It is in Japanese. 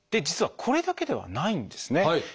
実はこれだけではないんですね。